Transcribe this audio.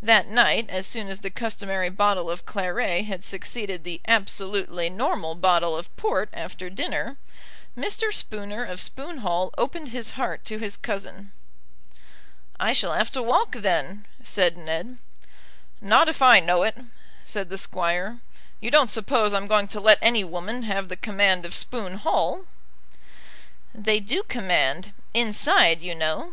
That night, as soon as the customary bottle of claret had succeeded the absolutely normal bottle of port after dinner, Mr. Spooner of Spoon Hall opened his heart to his cousin. "I shall have to walk, then," said Ned. "Not if I know it," said the Squire. "You don't suppose I'm going to let any woman have the command of Spoon Hall?" "They do command, inside, you know."